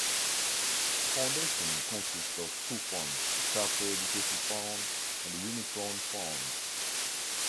The Foundation consists of two Funds, the Chapter Education Fund and the Unicorn Fund.